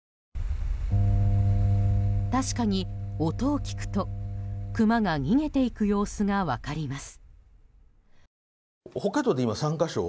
確かに音を聞くとクマが逃げていく様子が分かります。